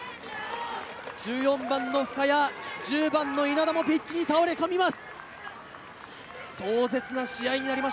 １４番の深谷、１０番の稲田もピッチに倒れ込みます。